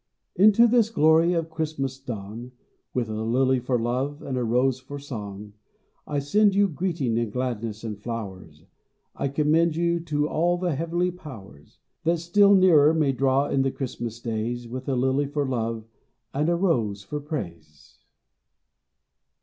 Into this glory of Christmas dawn (With a lily for love and a rose for song) I send you greeting and gladness and flowers ; I commend you to all the heavenly powers : That still nearer may draw in the Christmas days, With a lily for love and a rose for praise.